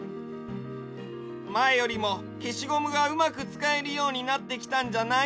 まえよりもけしゴムがうまくつかえるようになってきたんじゃない？